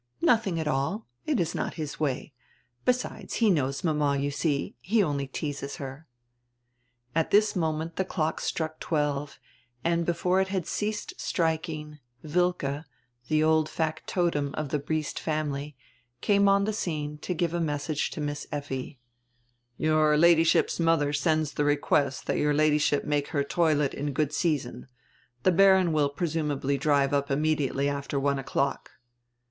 "Nothing at all. It is not his way. Besides, he knows mama, you see. He only teases her." At this moment die clock struck twelve and before it had ceased striking, Wilke, die old factotum of die Briest family, came on die scene to give a message to Miss Effi: '"Your Ladyship's mother sends die request that your Ladyship make her toilet in good season; die Baron will presumably drive up immediately after one o'clock."